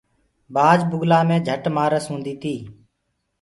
بآج بُگلآ پر جھٽ مآس هوندي تي۔